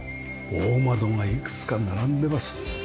大窓がいくつか並んでます。